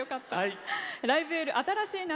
「ライブ・エール新しい夏」